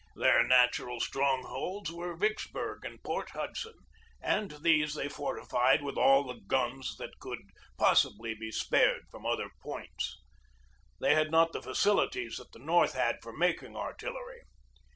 Their natural strongholds were Vicksburg and Port Hudson, and these they fortified with all the guns that could possibly be spared from other points. They had not the facilities that the North had for making artillery.